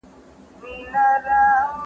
د انگریز استازي وویل چې ایران ځواکمن نه و.